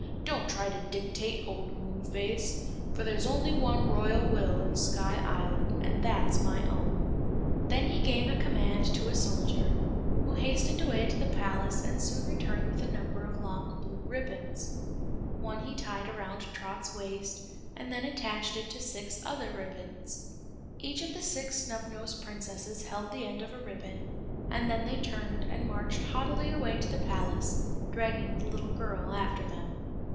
"Don't try to dictate, old Moonface, for there's only one Royal Will in Sky Island, and that's my own." He then gave a command to a soldier, who hastened away to the palace and soon returned with a number of long blue ribbons. One he tied around Trot's waist and then attached to it six other ribbons. Each of the Six Snubnosed Princesses held the end of a ribbon, and then they turned and marched haughtily away to the palace, dragging the little girl after them.